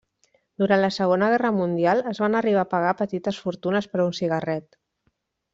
Durant la Segona Guerra Mundial es van arribar a pagar petites fortunes per un cigarret.